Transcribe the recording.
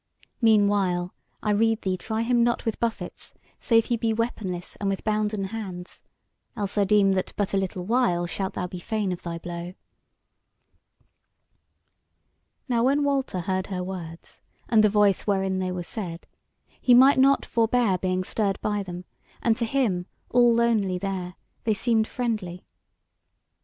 Meanwhile, I rede thee try him not with buffets, save he be weaponless and with bounden hands; or else I deem that but a little while shalt thou be fain of thy blow." Now when Walter heard her words and the voice wherein they were said, he might not forbear being stirred by them, and to him, all lonely there, they seemed friendly.